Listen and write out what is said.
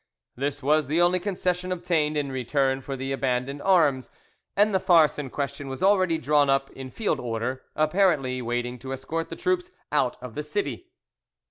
This was the only concession obtained in return for the abandoned arms, and the farce in question was already drawn up in field order, apparently waiting to escort the troops out of the city.